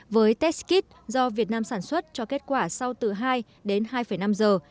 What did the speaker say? với test kit do việt nam sản xuất cho kết quả sau từ hai đến hai năm giờ